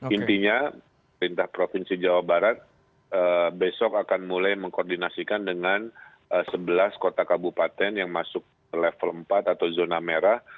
intinya perintah provinsi jawa barat besok akan mulai mengkoordinasikan dengan sebelas kota kabupaten yang masuk level empat atau zona merah